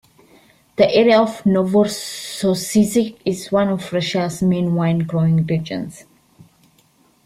The area of Novorossiysk is one of Russia's main wine-growing regions.